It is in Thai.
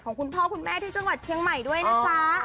คุณพ่อคุณแม่ที่จังหวัดเชียงใหม่ด้วยนะจ๊ะ